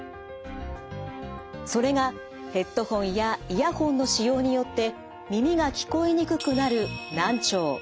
それがヘッドホンやイヤホンの使用によって耳が聞こえにくくなる難聴。